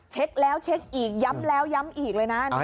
เช็คแล้วเช็คอีกย้ำแล้วย้ำอีกเลยนะ